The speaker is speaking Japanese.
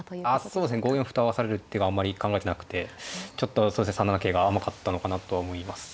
そうですね５四歩と合わされる手があんまり考えてなくてちょっと３七桂が甘かったのかなとは思います。